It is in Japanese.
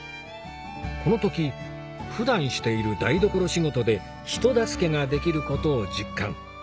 この時普段している台所仕事で人助けができることを実感